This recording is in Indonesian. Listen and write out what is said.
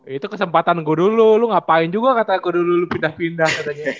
itu kesempatan gue dulu lo ngapain juga katanya gue dulu lo pindah pindah katanya